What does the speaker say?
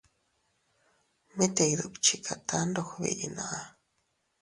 Mit iyduchikata ndog biʼi na.